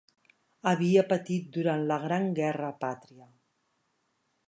Havia patit durant la Gran Guerra Pàtria.